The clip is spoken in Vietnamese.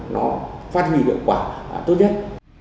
nó phát hiện được quả tốt nhất